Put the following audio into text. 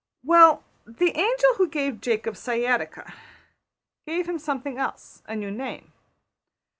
Well, the angel who gave Jacob sciatica gave him something else: a new name.